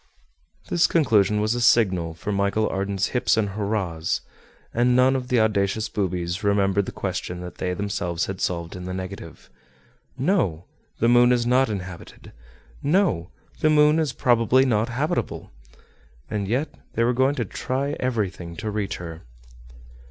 This conclusion was a signal for Michel Ardan's hips and hurrahs. And none of the audacious boobies remembered the question that they themselves had solved in the negative. No! the moon is not inhabited; no! the moon is probably not habitable. And yet they were going to try everything to reach her.